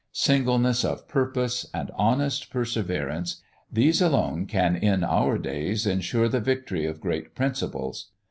Singleness of purpose, and honest perseverance, these alone can in our days ensure the victory of great principles.